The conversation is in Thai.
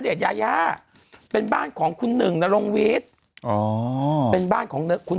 เดี๋ยวยายาเป็นบ้านของคุณหนึ่งณลงวีสอ๋อเป็นบ้านของคุณ